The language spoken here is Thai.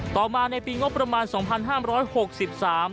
ต่อมาในปีงบประมาณสองพันห้ามร้อยหกสิบสาม